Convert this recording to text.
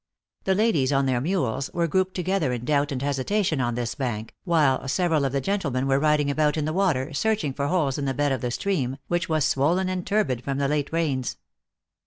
The ladies, on their mules, were grouped together in doubt and hesitation on this bank, while several of the gentle men were riding about in the water, searching for holes in the bed of the stream, which w T as swollen and turbid from the late rains.